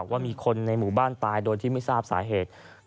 ว่ามีคนในหมู่บ้านตายโดยที่ไม่ทราบสาเหตุ